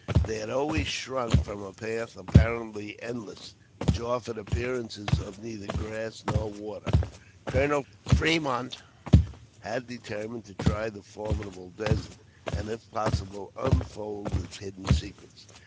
They had always shrunk from a path apparently endless, which offered appearances of neither grass nor water. Colonel Fremont had determined to try the formidable desert, and, if possible, unfold its hidden secrets.